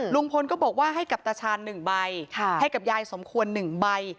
ลุงพลก็บอกว่าให้กับตาชาญ๑ใบให้กับยายสมควร๑ใบ